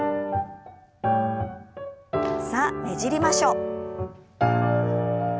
さあねじりましょう。